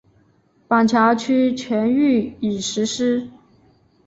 板桥区全域已实施。